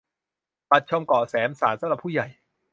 บัตรชมเกาะแสมสารสำหรับผู้ใหญ่